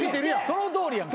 そのとおりやん。